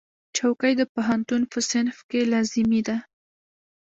چوکۍ د پوهنتون په صنف کې لازمي ده.